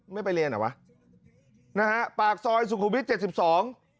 ไม่ไปเรียนเหรอวะนะฮะปากซอยสุขุมวิทยเจ็ดสิบสอง